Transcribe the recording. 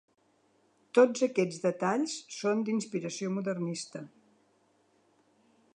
Tots aquests detalls són d'inspiració modernista.